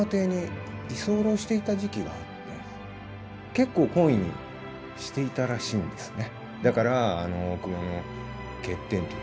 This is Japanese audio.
結構、懇意にしていたらしいんですね。